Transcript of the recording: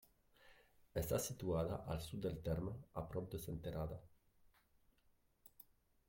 Està situada al sud del terme, a prop de Senterada.